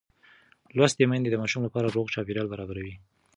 لوستې میندې د ماشوم لپاره روغ چاپېریال برابروي.